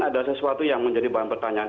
ada sesuatu yang menjadi bahan pertanyaan